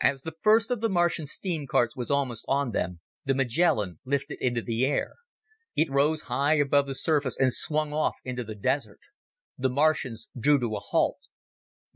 As the first of the Martian steam carts was almost on them, the Magellan lifted into the air. It rose high above the surface and swung off into the desert. The Martians drew to a halt.